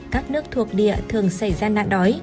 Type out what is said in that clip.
các nước thuộc địa thường xảy ra nạn đói